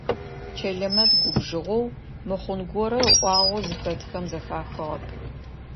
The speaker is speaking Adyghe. Чэлэмэт губжыгъэу, мыхъун горэ ыӏуагъэу зыхэтхэм зэхахыгъэп.